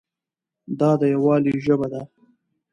دا د یووالي ژبه ده.